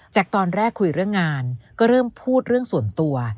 จากตอนแรกคุยเรื่องงานก็เริ่มพูดเรื่องส่วนตัว